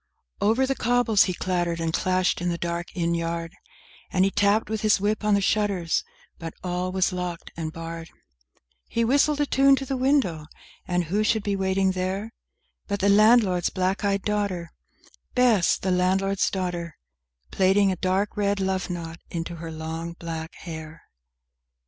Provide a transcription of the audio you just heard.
III Over the cobbles he clattered and clashed in the dark inn yard, And he tapped with his whip on the shutters, but all was locked and barred; He whistled a tune to the window, and who should be waiting there But the landlord's black eyed daughter, Bess, the landlord's daughter, Plaiting a dark red love knot into her long black hair.